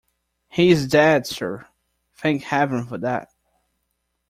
'He is dead, sir.' 'Thank heaven for that.'